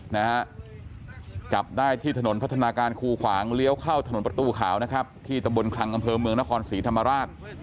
นะฮะจับได้ที่ถนนพัฒนาการคูขวางเลี้ยวเข้าถนนประตูขาวนะครับที่ตำบลคลังอำเภอเมืองนครศรีธรรมราช